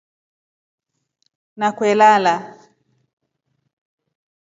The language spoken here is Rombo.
NA kwelala.